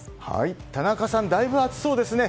田中さん、だいぶ暑そうですね。